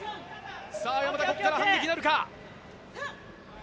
山田、ここから反撃なるか。